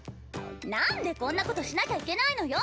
何でこんなことしなきゃいけないのよ。